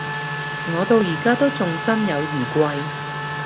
我到而家都仲心有餘悸